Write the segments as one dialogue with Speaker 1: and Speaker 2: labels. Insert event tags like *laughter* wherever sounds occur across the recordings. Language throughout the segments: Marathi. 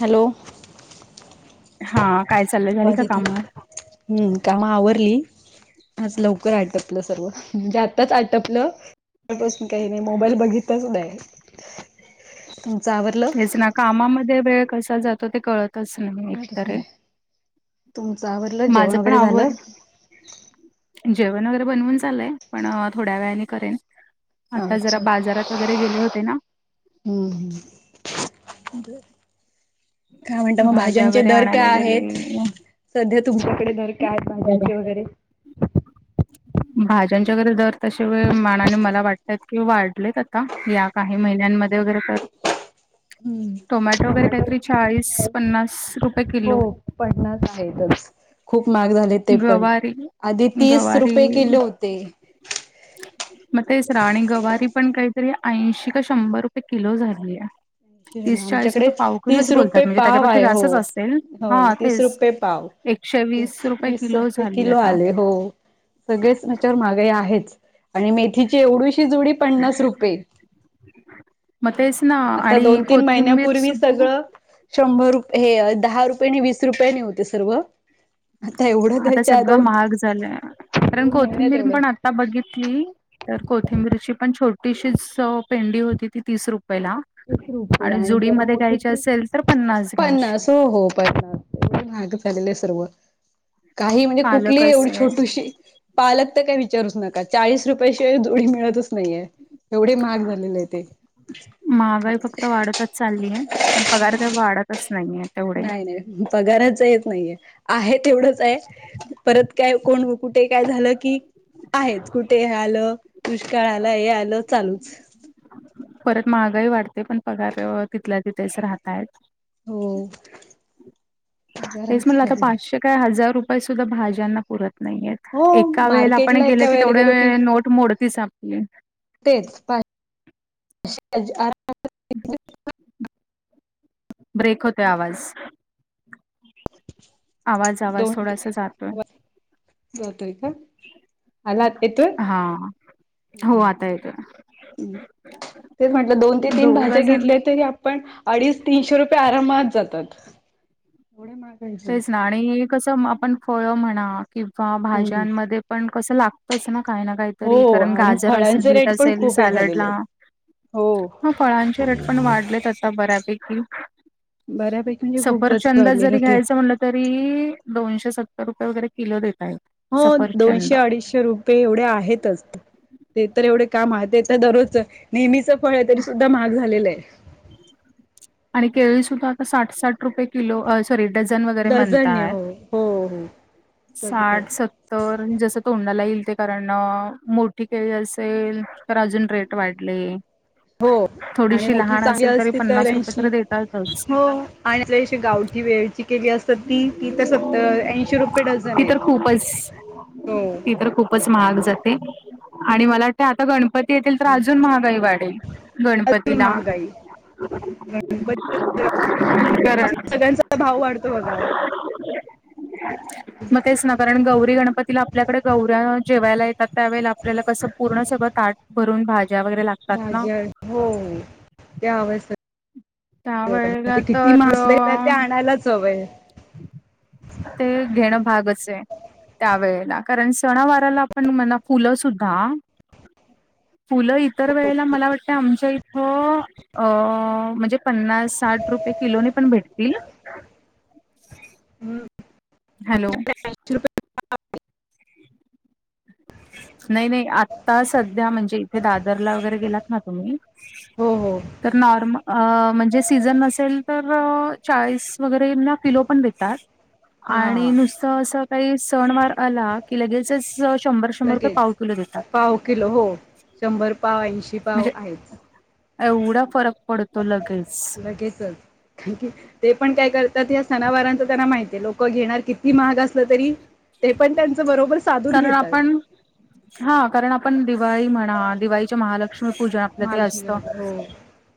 Speaker 1: हॅलो.
Speaker 2: हा काय चाललं झाली
Speaker 1: आवाज
Speaker 2: का
Speaker 1: येते
Speaker 2: काम.
Speaker 1: हम्म काम आवरली. आज लवकर आटपलं सर्व म्हणजे आताच आटपलं. *inaudible* काही नाही मोबाईल बघितताच नाही तुमचं आवडलं.
Speaker 2: तेच ना कामामध्ये वेळ कसा जातो ते कळत नाही. स नाही एकतर आहे
Speaker 1: तुमचं आवरलं
Speaker 2: माझ
Speaker 1: जेवण
Speaker 2: पण
Speaker 1: वगैरे झालं
Speaker 2: आवर. जेवण वगैरे बनवून चाललंय पण थोड्या वेळाने करेन. आता जरा
Speaker 1: अच्छा
Speaker 2: बाजारात वगैरे गेले होते ना.
Speaker 1: हम्म हम्. काय म्हणता मग
Speaker 2: भाज्या
Speaker 1: भाज्यांचे
Speaker 2: वगैरे
Speaker 1: दर
Speaker 2: आणायला
Speaker 1: काय
Speaker 2: गेले.
Speaker 1: आहेत. सध्या तुमच्याकडे नरक्या आहेत
Speaker 2: बरं
Speaker 1: भाज्यांचे वगैरे.
Speaker 2: भाज्यांच्या घर दर तश व मानाने मला वाटतत कि वाढलेत आता. या काही महिन्यांमध्ये वगैरे तर.
Speaker 1: हम्म
Speaker 2: टोमॅटो वगैरे काहीतरी चाळीस पन्नास रुपये.
Speaker 1: *inaudible*
Speaker 2: किलो
Speaker 1: पण
Speaker 2: गवारी
Speaker 1: आधी तीस रुपये
Speaker 2: गवारी
Speaker 1: किलो होते.
Speaker 2: *unintelligible* मग तेचरा आणि गवारी पण काहीतरी ऐंशी का शंभर रुपये किलो झालीय. तीस चाळीस
Speaker 1: आमच्याकडे
Speaker 2: रुपये पाव किलोच
Speaker 1: तीस
Speaker 2: बोलतात
Speaker 1: रुपये
Speaker 2: म्हणजे
Speaker 1: पाव
Speaker 2: त्याच्यापेक्षा
Speaker 1: आहे हो
Speaker 2: जास्तच असेल
Speaker 1: हो
Speaker 2: हा
Speaker 1: तीस
Speaker 2: तेच.
Speaker 1: रुपये पाव
Speaker 2: एकशे वीस रुपय.
Speaker 1: वीस रुपये किलो आले. हो. सगळेच नच्यावर महागई आहेच आणि मेथीची एवढीशी जुडी पन्नास रुपये.
Speaker 2: मग तेचं ना.
Speaker 1: आता
Speaker 2: आणि
Speaker 1: दोन, तीन
Speaker 2: कोथिंबीर
Speaker 1: महिन्यापूर्वी
Speaker 2: सुद्धा
Speaker 1: सगळं शंभर रुप हे दहा रुपय नी, वीस रुपय ने होते सर्व. आता एवढं
Speaker 2: आता
Speaker 1: त्याच्या
Speaker 2: सगळं
Speaker 1: दोन
Speaker 2: महाग झालंय, कारण
Speaker 1: दोन महिन्यात
Speaker 2: कोथिंबीर
Speaker 1: एवढं
Speaker 2: पण आता बघितली तर कोथिंबीरची पण छोटीशीच पेंडी होती, ती तीस रुपयेला.
Speaker 1: तीस रुपये
Speaker 2: आणि जुडी
Speaker 1: जरा
Speaker 2: मध्ये
Speaker 1: मोठी
Speaker 2: घ्यायची
Speaker 1: ती
Speaker 2: असेल तर, पन्नासला घ्यायची.
Speaker 1: पन्नास हो हो, *unintelligible* झालेले आहे सर्व. काही म्हणजे
Speaker 2: पालक
Speaker 1: कुठलीही एवढी
Speaker 2: असे
Speaker 1: छोटूशी पालक तर काही विचारूच नका, चाळीस रुपयाशिवाय जोडी मिळतच नाहीये, एवढे महाग झालेले आहेत. *unintelligible*
Speaker 2: महागाई फक्त वाढतच चाललीय, पण पगार काही वाढतच नाहीये तेवढे.
Speaker 1: नाही नाही पगाराच येत नाहीये, आहे तेवढंच आहे. परत काय कोण कुठे काय झालं की, आहेच कुठे हे आलं, दुष्काळ आला, हे आलं चालूच.
Speaker 2: परत महागाई वाढते, पण पगार अं तिथल्या तिथेच राहतायेतं.
Speaker 1: हो.
Speaker 2: तेच
Speaker 1: पगारांच
Speaker 2: म्हणलं, आता
Speaker 1: काही नाही.
Speaker 2: पाचशे काय? हजार रुपये सुद्धा भाज्यांना पुरत नाहीयेत.
Speaker 1: हो
Speaker 2: एका वेळेला आपण
Speaker 1: मार्केटला
Speaker 2: गेल
Speaker 1: एका
Speaker 2: की,
Speaker 1: वेळेला
Speaker 2: तेवढ्या
Speaker 1: गेलो की
Speaker 2: वे नोट मोडतीच आपली.
Speaker 1: तेच. *unintelligible*
Speaker 2: *unintelligible* ब्रेक होतोय आवाज. आवाज आवाज,
Speaker 1: दोन
Speaker 2: थोडासा जातोय.
Speaker 1: जातोय का? आला आता येतोय?
Speaker 2: हा, हो आता येतोय.
Speaker 1: तेच म्हटलं, दोन ते तीन
Speaker 2: दोघं
Speaker 1: भाज्या
Speaker 2: जण
Speaker 1: घेतल्या तरी पण अडीच, तीनशे रुपये आरामात जातात. महागायचे
Speaker 2: तेच ना आणि कसं आपण फळं म्हणा किंवा
Speaker 1: हम्म
Speaker 2: भाज्यांमध्ये पण कसं लागतच ना, काही ना काही तरी
Speaker 1: हो
Speaker 2: कारण
Speaker 1: आणि
Speaker 2: गाजर असेल,
Speaker 1: फळांचे
Speaker 2: बीट
Speaker 1: रेट पण
Speaker 2: असेल,
Speaker 1: खूप हे झालेले
Speaker 2: सॅलेडला.
Speaker 1: आहेत. हो
Speaker 2: फळांचे रेट पण वाढलेत, आता बऱ्यापैकी.
Speaker 1: बऱ्यापैकी, खूपच
Speaker 2: सफरचंद
Speaker 1: वाढलेले
Speaker 2: जरी
Speaker 1: होते.
Speaker 2: घ्यायचं म्हटलं तरी दोनशे सत्तर रुपये वगैरे किलो देतायेत.
Speaker 1: हो हो, दोनशे, अडीचशे- रुपये एवढे आहेतच. ते तर एवढे *unintelligible* दररोजच. नेहमीच *unintelligible* तरी सुद्धा महाग झालेलं आहे.
Speaker 2: आणि केळी सुद्धा आता साठ, साठ रुपये किलो सॉरी, डझन वगैरे
Speaker 1: डझनने
Speaker 2: म्हणतात.
Speaker 1: हो हो हो सगळं
Speaker 2: साठ, सत्तर जसं तोंडाला येईल ते कारण, मोठी केळी असेल तर अजून रेट वाढले.
Speaker 1: होय आणि
Speaker 2: थोडीशी
Speaker 1: मोठी
Speaker 2: लहान
Speaker 1: चांगली
Speaker 2: असेल तरी
Speaker 1: असतील
Speaker 2: पन्नास
Speaker 1: तरं
Speaker 2: रुपये तर देतातच.
Speaker 1: हो आणि अशी गावठी वेल चि केळी असतात ती, ती तर स ऐंशी रुपये डझन
Speaker 2: ती तर
Speaker 1: आहेत.
Speaker 2: खूपच ती तर खूपच महाग जाते आणि मला वाटते, आता गणपती येतील तर, अजून महागाई वाढेल.
Speaker 1: अजून
Speaker 2: गणपतीला
Speaker 1: महागाई गणपतीपासून
Speaker 2: *unintelligible*
Speaker 1: सगळ्यांचा भाव वाढतो बघा.
Speaker 2: ह *inaudible* मग तेच ना कारण गौरी गणपतीला आपल्याकडे गौऱ्या जेवायला येतात त्यावेेळेला आपल्याला कसं पूर्ण सगळं ताट भरून भाज्या वगैेरे ला
Speaker 1: भाज्या हो त्या हव्या अस
Speaker 2: त्या वेळेला
Speaker 1: ते किती
Speaker 2: तर
Speaker 1: मासले ते आणायलाच हवंय
Speaker 2: ते घेणं भागच आहे त्या वेळेला कारण सणावाराला आपण म्हना फुलं सुद्धा फुलं इतर वेळेला मला वाटतं आमच्या इ थं म्हणजे अं पन्नास-साठ रुपये किलोने पण भेटतील *inaudible*
Speaker 1: हम्
Speaker 2: हॅलो
Speaker 1: चि
Speaker 2: नाही नाही आता सध्या म्हणजे इथे दादरला वगैरे गेलात ना तुम्ही
Speaker 1: हो हो
Speaker 2: तर नॉर्म म्हणजे सीझन असेल तर चाळीस वगैरे ला किलो पण देतात
Speaker 1: हां
Speaker 2: आणि
Speaker 1: हां
Speaker 2: नुस त अस काही सण वार आला कि लगेचच शंभर
Speaker 1: लगेच पाव किलो हो शंभर पाव ऐंशी पाव
Speaker 2: म्हणजे
Speaker 1: आहेच.
Speaker 2: एवढा फरक पडतो लगेच.
Speaker 1: लगेचच ठीक हे ते पण काय करतात या सनावारांच त्यांना माहित आहे लोक घेणार कितीही महाग असलं तरी ते पण त्यांच बरोबर साधून
Speaker 2: कारण
Speaker 1: घेतात.
Speaker 2: आपण हा कारण आपण दिवाळी म्हणा दिवाळीच्या महालक्ष्मी पूजन जे काही
Speaker 1: महालक्ष्मी
Speaker 2: असतं
Speaker 1: गणपती हो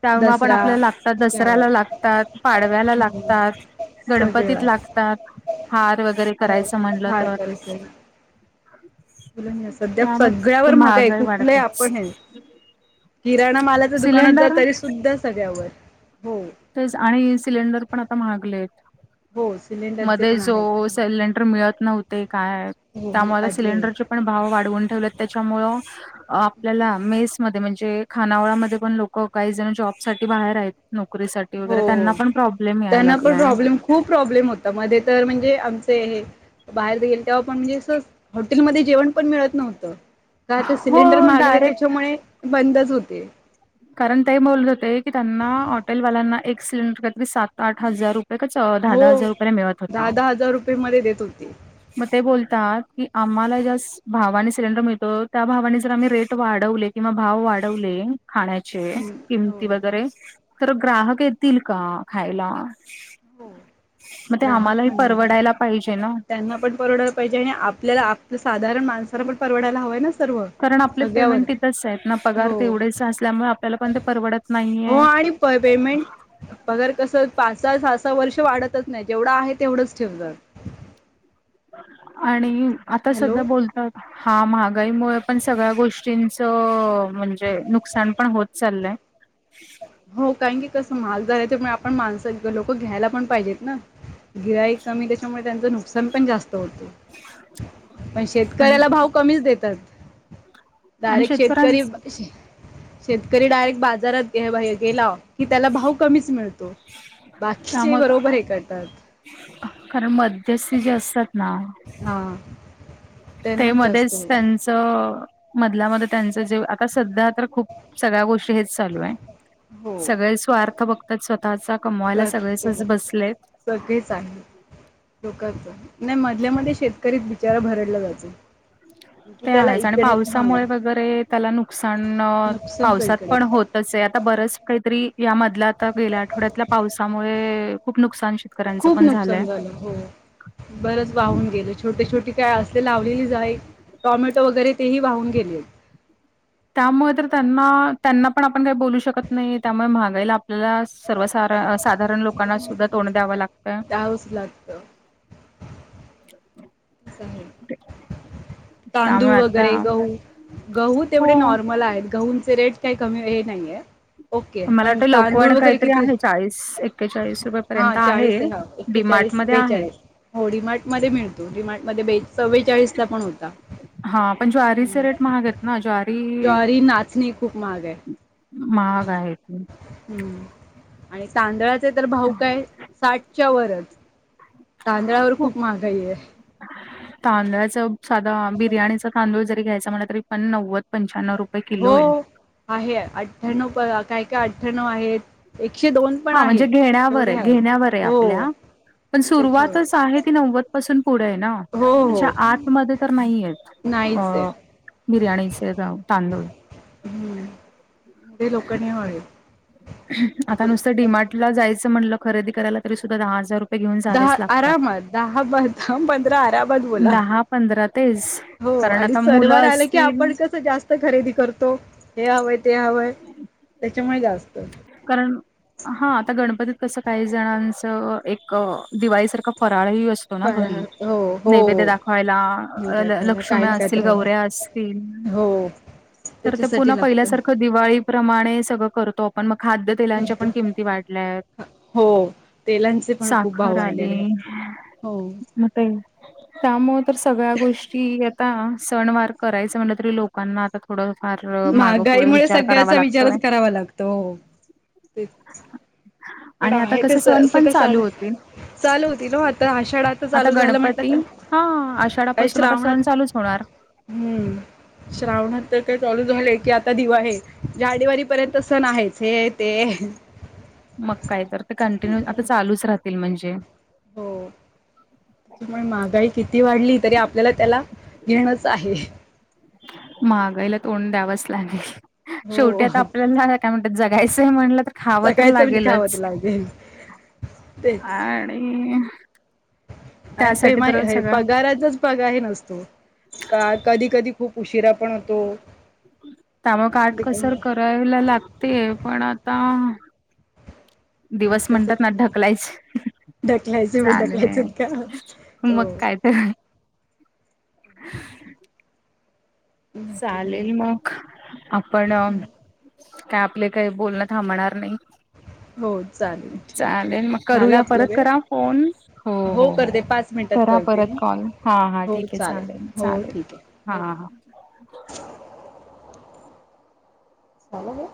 Speaker 2: तेव्हा पण
Speaker 1: दसरा
Speaker 2: आपल्याला लागतात, दसऱ्याला लागतात, पाडव्याला
Speaker 1: हम्म
Speaker 2: लागतात.
Speaker 1: सगळे
Speaker 2: गणपतीत
Speaker 1: वार
Speaker 2: लागतात हार वगैरे
Speaker 1: होय
Speaker 2: करायचं म्हणलं
Speaker 1: भार
Speaker 2: तर
Speaker 1: फुलं नाहीए सध्या
Speaker 2: त्यामुळे
Speaker 1: सगळ्यावर महागाई आहे कुठलं हे
Speaker 2: वाढतेच.
Speaker 1: आपण आहे किराणा मालाच्या दुकानात जा
Speaker 2: सिलेंडर
Speaker 1: तरी सुद्धा सगळ्यावर हो
Speaker 2: तेच आणि सिलेंडर पण आता महागलेत
Speaker 1: हो सिलेंडरचे
Speaker 2: मध्ये
Speaker 1: पण आहेत
Speaker 2: जो सेलेंडर मिळत नव्हते काय
Speaker 1: हो मी
Speaker 2: त्यामुळे आता
Speaker 1: अजय
Speaker 2: सिलेंडरचे पण भाव वाढवून ठेवलेत त्याच्यामुळं आपल्याला मेस मध्ये म्हणजे खानावळामध्ये पण लोक काही जण जॉब साठी बाहेर येत नो करीसाठी
Speaker 1: हो
Speaker 2: वगैरे त्यांना
Speaker 1: हो
Speaker 2: पण प्रॉब्लेम याय
Speaker 1: त्यांना पण
Speaker 2: लागलाय.
Speaker 1: प्रॉब्लेम खूप प्रॉब्लेम होतं मध्ये तर म्हणजे आमचे हे बाहेर गेले तेव्हा पण म्हणजे अस हॉटेलमध्ये जेवण पण मिळत नव्हतं का तर सिलेंडर
Speaker 2: हो
Speaker 1: महागले
Speaker 2: डायरेक्ट
Speaker 1: त्याच्यामुळे बंदच होते.
Speaker 2: कारण ते बोलत होते की त्यांना हॉटेलवाल्यांना एक सिलेंडर कायतरी सात-आठ हजार रुपये लगेच अं
Speaker 1: हो
Speaker 2: दहा-दहा हजार रुपयला मिळत
Speaker 1: दहा
Speaker 2: होता.
Speaker 1: दहा हजार रुपये मध्ये देत होते
Speaker 2: मग ते बोलतात की आम्हाला ज्या भावाने सिलेंडर मिळतो त्या भावाने जर आम्ही रेट वाढवले किंवा भाव वाढवले खाण्याचे
Speaker 1: हो
Speaker 2: किमती वगैरे तर ग्राहक येतील का खायला?
Speaker 1: हो
Speaker 2: मग ते
Speaker 1: ग्राहक
Speaker 2: आम्हालाही
Speaker 1: म्हणजे
Speaker 2: परवडायला पाहिजे ना
Speaker 1: त्यांना पण परवडाय पाहिजे आणि आपल्याला आपलं साधारण माणसाला पण परवडायला हवंय ना सर्व
Speaker 2: कारण आपले
Speaker 1: सगळ्यावर
Speaker 2: पेमेंट तिथंचयत ना. पगार
Speaker 1: हो
Speaker 2: तेवढेच असल्यामुळे, आपल्याला पण ते परवडत
Speaker 1: हो
Speaker 2: नाहीये
Speaker 1: आणि प पेमेंट पगर कसं, पाच - सहा, सहा - सहा वर्ष वाढतच नाही. जेवढं आहे, तेवढंच ठेव जात.
Speaker 2: आणि आता
Speaker 1: हॅलो
Speaker 2: सध्या बोलतात हा महागाईमुळे पण सगळ्या गोष्टींचं म्हणजे, नुकसान पण होत चाललंय.
Speaker 1: हो. काण की कसं, महाग झालाय त, आपण माणस, लोक घ्यायला पण पाहिजेत ना. गिराईक कमी. त्याच्यामुळे त्यांचं नुकसान पण, जास्त होतय. पण
Speaker 2: आणि
Speaker 1: शेतकऱ्याला भाव कमीच देतात.
Speaker 2: आणि
Speaker 1: डायरेक्ट शेतकरी
Speaker 2: शेतकऱ्यांच
Speaker 1: शेतकरी डायरेक्ट बाजारात हे बा हे गेला कि, त्याला भाव कमीच मिळतो. बाकीचे
Speaker 2: त्यामुळे
Speaker 1: बरोबर हे करतात.
Speaker 2: कारण, मध्यस्थी जे असतात ना
Speaker 1: हा.
Speaker 2: ते
Speaker 1: त्यांनाच जास्त
Speaker 2: मध्येच,
Speaker 1: हे
Speaker 2: त्यां चं. मधल्या - मध्ये त्यांच जे. आता सध्या तर खूप. सगळ्या गोष्टी हेच चालूय.
Speaker 1: हो
Speaker 2: सगळे स्वार्थ बघतात स्वतःचा. कमवायला सगळेचच बसलेत.
Speaker 1: सगळीच आहेत. *unintelligible* नाही, मधल्या - मध्ये शेतकरीत, बिचारा भरडला जातो. की
Speaker 2: ते
Speaker 1: त्याला
Speaker 2: आहेच. आणि
Speaker 1: इकडे हा
Speaker 2: पावसामुळे वगैरे, त्याला नुकसान,
Speaker 1: नुकसानच
Speaker 2: पावसात
Speaker 1: इकडे
Speaker 2: पण होत तसंय आता. बरंच काहीतरी यामधलं आता, गेल्या आठवड्यातल्या पावसामुळे, खूप नुकसान श
Speaker 1: खूप नुकसान झालं. हो. बरच वाहून गेल. छोटे - छोटी काय असले, लावलेली जाई टॉमॅटो वगैरे, तेही वाहून गेले.
Speaker 2: त्यामुळे तर त्यांना. त्यांना पण आपण काही बोलू शकत नाही. त्यामुळे महागाईला आपल्याला सर्व सारा साधारण लोकांना सुद्धा, तोंड द्यावं लागतय.
Speaker 1: त्यावंच लागतं असं आहे
Speaker 2: *inaudible*
Speaker 1: तांदूळ वगैरे, गहू. गहू तेवढे
Speaker 2: हो
Speaker 1: नॉर्मल आहेत. गहूंचे रेट काही कमी, हे नाहीये. ओके.
Speaker 2: मला
Speaker 1: पण
Speaker 2: वाटतं
Speaker 1: तांदूळ
Speaker 2: लोकवण
Speaker 1: वगैरे
Speaker 2: काहीतरी
Speaker 1: किती?
Speaker 2: आहे चाळीस एक्केचाळीस
Speaker 1: हा
Speaker 2: रुपयापर्यंत आहे.
Speaker 1: चाळीसय. हा.
Speaker 2: डीमार्ट
Speaker 1: एक्केचाळीस -
Speaker 2: मध्ये आहे.
Speaker 1: बेचाळीस. हो डी मार्टमध्ये मिळतो. डी मार्टमध्ये बेचा - चव्वेचाळीसला पण होता.
Speaker 2: हा पण ज्वारीचे रेट महागयत ना. ज्वारी
Speaker 1: नाचणी खूप महाग आहे
Speaker 2: महाग आहे, खूप.
Speaker 1: हम्म. आणि तांदळाचे तर भाव काय? साठच्या वरच. तांदळावर खूप महागाईय.
Speaker 2: तांदळाच साधा, बिर्याणीचा तांदूळ जरी, घ्यायचा म्हणलं तरी, पण नव्वद - पंच्याण्व रुपय रपय कीलोय.
Speaker 1: हो आहे. अठ्ठ्याण्णव प, काय - काय अठ्ठ्याण्णव आहेत. एकशे दोन पण
Speaker 2: हा म्हणजे
Speaker 1: आहेत तेवढे
Speaker 2: घेण्यावरय.
Speaker 1: आहेत
Speaker 2: घेण्यावरय,
Speaker 1: हो
Speaker 2: आपल्या. पण
Speaker 1: त्याच्यावर
Speaker 2: सुरुवातच आहे ती, नव्वद पासून पुढय ना. त्याच्या आतमध्ये तर नाहीयेत.
Speaker 1: नाहीचय.
Speaker 2: अ बिर्याणीचे रा तांदूळ.
Speaker 1: हम्म. ते लोक नाही वळेल.
Speaker 2: आता नुसतं, डीमार्टला जायचं म्हणलं, खरेदी करायला. तरी सुद्धा, दहा हजार रुपय
Speaker 1: दहा आरामात. दहा बा द पंधरा आरामात बोला.
Speaker 2: दहा पंधरा तेच
Speaker 1: हो
Speaker 2: कारण
Speaker 1: आणि
Speaker 2: आता
Speaker 1: सणवार
Speaker 2: मुलं
Speaker 1: आलं की,
Speaker 2: असतील
Speaker 1: आपण कसं जास्त खरेदी करतो हे हवंय ते हवंय त्याच्यामुळे जास्त
Speaker 2: कारण हा आता गणपतीत कसं काही जणांचं एक दिवाळीसारखं फराळही अस ना घरी
Speaker 1: फराळात हो हो
Speaker 2: नैवेद्य
Speaker 1: हो
Speaker 2: दाखवायला
Speaker 1: निराला काय
Speaker 2: लक्ष्म्या
Speaker 1: नाही
Speaker 2: असतील
Speaker 1: काहीतरी
Speaker 2: गौऱ्या
Speaker 1: हवं
Speaker 2: अस तील
Speaker 1: हो
Speaker 2: तर ते पुन्हा
Speaker 1: त्याच्यासाठी लागतं
Speaker 2: पहिल्यासारखं दिवाळीप्रमाणे सगळं करतो आपण मग खाद्यतेलांच्या
Speaker 1: करतो
Speaker 2: पण किमती वाढल्यात
Speaker 1: हो तेलांचे पण खूप भाव
Speaker 2: साखर
Speaker 1: वाढलेले
Speaker 2: आली
Speaker 1: आहेत, हो.
Speaker 2: त्यामुळे तर सगळ्या गोष्टी आता सणवार करायचं म्हटलं तरी लोक लोकांना आता थोडंफार मागे पुुढे विचार करावा लागतोय.
Speaker 1: तो ते पण
Speaker 2: आणि आता
Speaker 1: आहे
Speaker 2: कसं
Speaker 1: स
Speaker 2: सणपण
Speaker 1: सगळं साध
Speaker 2: चालू होतील.
Speaker 1: चालू होती ना आता आषाढात
Speaker 2: आता
Speaker 1: चालू झालं म्हटलं
Speaker 2: गणपती
Speaker 1: तर
Speaker 2: हा,
Speaker 1: काही
Speaker 2: आषाढापासून आता
Speaker 1: श्रावणात
Speaker 2: सण चालूच होणार. *inaudible*
Speaker 1: हम्म श्रावणात तर काय चालू झाले की आता दिवाळी आहे. जानेवारी पर्यंत सण आहेच हे ते आहे.
Speaker 2: मग काय कर ते कंटिन्यू आता चालूच राहतील म्हणजे
Speaker 1: पण महागाई किती वाढली, तरी आपल्याला त्याला घेणच आहे.
Speaker 2: महागाईला तोंड द्यावच लागल शेवटी
Speaker 1: हो
Speaker 2: आता आपल्याला काय म्हणता जगायचं म्हणलं तर खावं तर
Speaker 1: सकाळच म्हणजे खावत
Speaker 2: लागेलच
Speaker 1: लागेल तेच
Speaker 2: आणि
Speaker 1: आणि ते
Speaker 2: त्यासाठी
Speaker 1: माहे
Speaker 2: तर
Speaker 1: हे
Speaker 2: सगळं
Speaker 1: पगाराचच पत्ता ही नसतो का कधी कधी खूप उशिरा पण होतो.
Speaker 2: त्यामुळे मग काटकसर करायला लागते पण आता दिवस म्हणतात ना
Speaker 1: कसं
Speaker 2: ढकलायचं
Speaker 1: ढकलायचे मग
Speaker 2: चालेल
Speaker 1: ढकलायचेत का?
Speaker 2: मग
Speaker 1: हो
Speaker 2: काय अहं.
Speaker 1: बाकी काय
Speaker 2: चालेल
Speaker 1: नाही.
Speaker 2: म आपण, काय आपले काही बोलणं थांबणार नाही.
Speaker 1: हो चालेल ठीक आहे.
Speaker 2: चालेल मग
Speaker 1: झाला
Speaker 2: करूया
Speaker 1: आपला
Speaker 2: परत
Speaker 1: वेळ?
Speaker 2: करा फोन हो हो
Speaker 1: करते
Speaker 2: हो.
Speaker 1: पाच मिनिटात
Speaker 2: करा
Speaker 1: करते
Speaker 2: परत
Speaker 1: मी.
Speaker 2: कॉल हा हा
Speaker 1: हो
Speaker 2: ठीक आहे. चालेल
Speaker 1: हो
Speaker 2: चालेल
Speaker 1: ठीक आहे.
Speaker 2: हा
Speaker 1: हो बाय.
Speaker 2: हां.
Speaker 1: चालले